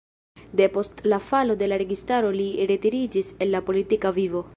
Depost la falo de la registaro li retiriĝis el la politika vivo.